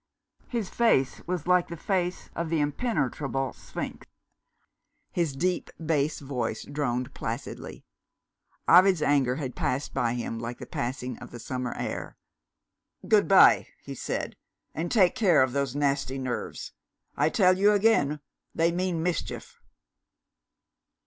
His face was like the face of the impenetrable sphinx; his deep bass voice droned placidly. Ovid's anger had passed by him like the passing of the summer air. "Good bye!" he said; "and take care of those nasty nerves. I tell you again they mean mischief."